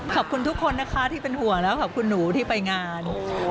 ขอบคุณทุกคนนะคะที่เป็นห่วงแล้วขอบคุณหนูที่ไปงาน